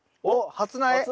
初苗。